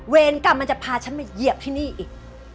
กรรมมันจะพาฉันมาเหยียบที่นี่อีก